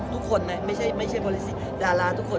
พลิสซีดาราทุกคน